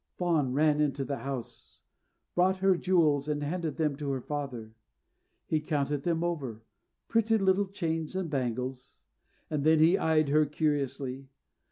Fawn ran into the house, brought her jewels, and handed them to her father. He counted them over pretty little chains and bangles, and then he eyed her curiously.